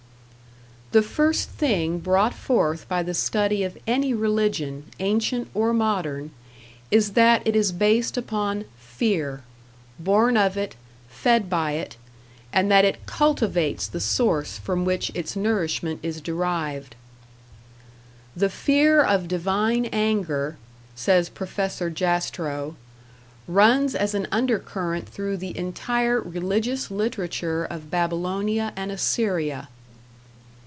The first thing brought forth by the study of any religion, ancient or modern, is that it is based upon Fear, born of it, fed by it and that it cultivates the source from which its nourishment is derived. "The fear of divine anger", says Prof. Jastrow, "runs as an undercurrent through the entire religious literature of Babylonia and Assyria."